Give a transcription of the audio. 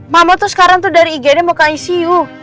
mama tuh sekarang tuh dari igd mau ke icu